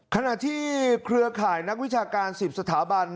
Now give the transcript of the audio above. ขณะที่เครือข่ายนักวิชาการ๑๐สถาบัน